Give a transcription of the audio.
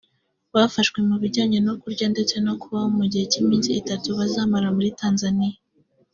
bafashwe mu bijyanye no kurya ndetse no kubaho mu gihe cy’iminsi itatu bazamara muri Tanzania